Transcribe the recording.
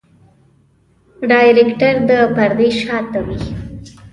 ډايرکټر د پردې شاته وي.